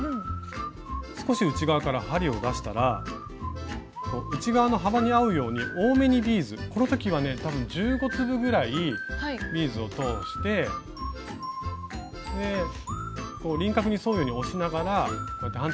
少し内側から針を出したら内側の幅に合うように多めにビーズこの時はね多分１５粒ぐらいビーズを通して輪郭に沿うように押しながらこうやって反対側に針を落とします。